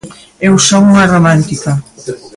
Eu son unha romántica.